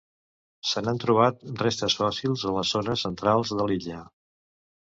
Se n'han trobat restes fòssils en les zones centrals de l'illa.